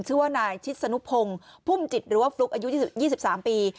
ชื่อว่านายชิดสนุพงศ์พุ่มจิตหรือว่าฟลุ๊กอายุ๒๓ปี